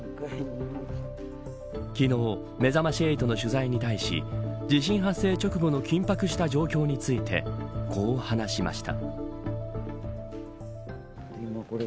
昨日、めざまし８の取材に対し地震発生直後の緊迫した状況についてこう話しました。